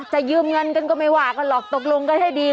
จะยืมเงินกันก็ไม่ว่ากันหรอกตกลงกันให้ดี